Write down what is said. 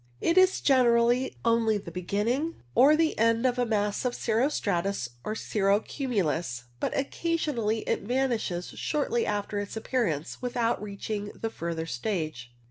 It is generally only the beginning or the end of a mass of cirro stratus or cirro cumulus, but occasionally it vanishes shortly after its appear ance, without reaching the further stage.